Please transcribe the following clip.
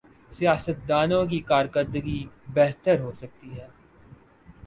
سیاستدانوں کی کارکردگی بہتر ہو گی۔